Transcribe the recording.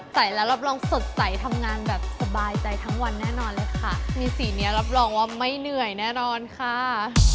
ใส่แล้วรับรองสดใสทำงานแบบสบายใจทั้งวันแน่นอนเลยค่ะมีสีเนี้ยรับรองว่าไม่เหนื่อยแน่นอนค่ะ